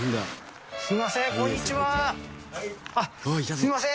すいません。